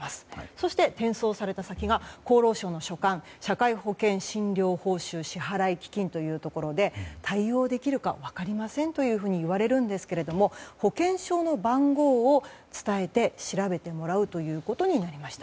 そして、転送された先が厚労省の所管社会保険診療報酬支払基金というところで対応できるか分かりませんというふうに言われるんですが保険証の番号を伝えて調べてもらうということになりました。